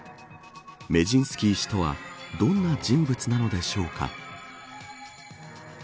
メジンスキー氏とはどんな人物なのでしょうか。